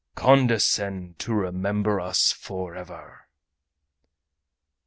Condescend to remember us forever!"